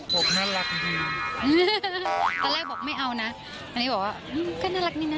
ตอนแรกบอกไม่เอานะอันนี้บอกว่าก็น่ารักนิดนึงนะ